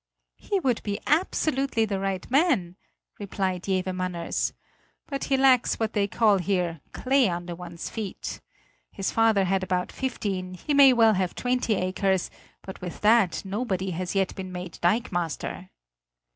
"He would be absolutely the right man," replied Jewe Manners; "but he lacks what they call here 'clay under one's feet;' his father had about fifteen, he may well have twenty acres; but with that nobody has yet been made dikemaster."